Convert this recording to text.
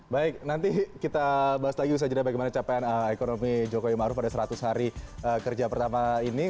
baik nanti kita bahas lagi usaha jeda bagaimana capaian ekonomi jokowi maruf pada seratus hari kerja pertama ini